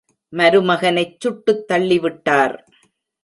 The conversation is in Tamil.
மருமகனைச் சுட்டுத் தள்ளிவிட்டார்!